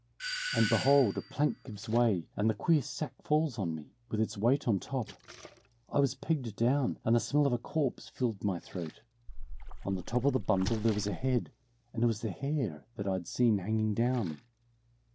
"And behold a plank gives way, and the queer sack falls on me, with its weight on top. I was pegged down, and the smell of a corpse filled my throat on the top of the bundle there was a head, and it was the hair that I'd seen hanging down.